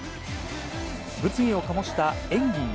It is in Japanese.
物議を醸した演技